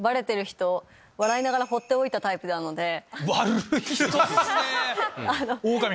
悪い人っすね！